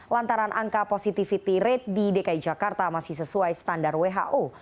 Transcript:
lantaran angka positivity rate di dki jakarta masih sesuai standar who